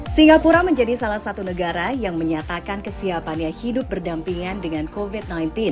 singapura menjadi salah satu negara yang menyatakan kesiapannya hidup berdampingan dengan covid sembilan belas